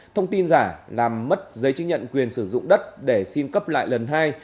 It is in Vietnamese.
thông tin giả làm mất giấy chứng nhận quyền sử dụng đất để xin cấp lại lần hai